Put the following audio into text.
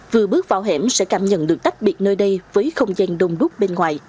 vừa bước vào hẻm sẽ cảm nhận được tách biệt nơi đây với không gian đông đúc bên ngoài